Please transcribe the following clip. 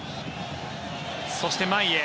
そして前へ。